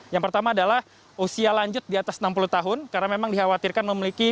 yang pertama adalah usia lanjut di atas enam puluh tahun karena memang dikhawatirkan memiliki